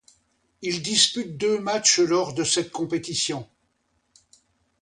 Il dispute deux matchs lors de cette compétition.